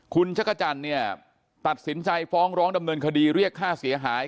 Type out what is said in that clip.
คุณจักรจันทร์เนี่ยตัดสินใจฟ้องร้องดำเนินคดีเรียกค่าเสียหาย